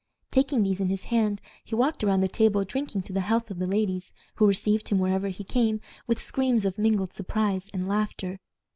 Taking these in his hand, he walked around the table drinking to the health of the ladies, who received him wherever he came with screams of mingled surprise and laughter.